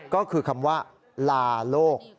ก็คือคำว่าลาโลก